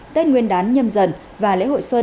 tết nguyên đán nhâm dần và lễ hội xuân hai nghìn hai mươi hai